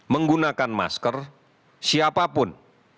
menggunakan masker siapapun